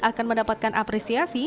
akan mendapatkan apresiasi